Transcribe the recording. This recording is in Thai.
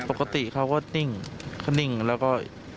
ปกติเขาก็นิ่งเขานิ่งแล้วก็